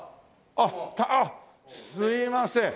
あっすいません。